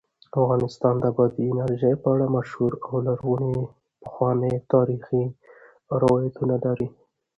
افغانستان د بادي انرژي په اړه مشهور او لرغوني پخواني تاریخی روایتونه لري.